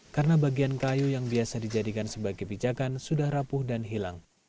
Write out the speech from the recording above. karena bagian kayu yang biasa dijadikan sebagai pijakan sudah rapuh dan hilang